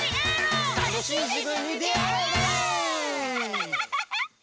ハハハハハ！